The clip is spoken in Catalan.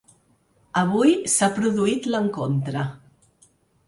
Avui s’ha produït l’encontre.